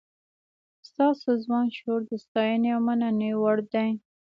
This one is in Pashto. ستاسو ځوان شعور د ستاینې او مننې وړ دی.